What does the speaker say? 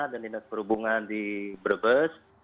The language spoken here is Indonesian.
dan di perhubungan di berbes